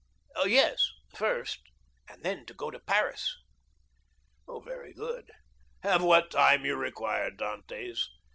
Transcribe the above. "Yes, first, and then to go to Paris." "Very good; have what time you require, Dantès.